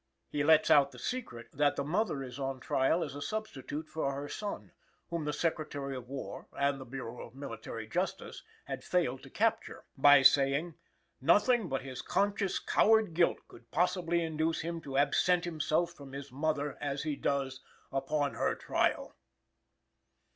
He lets out the secret that the mother is on trial as a substitute for her son, whom the Secretary of War and the Bureau of Military Justice had failed to capture, by saying: "Nothing but his conscious coward guilt could possibly induce him to absent himself from his mother, as he does, upon her trial."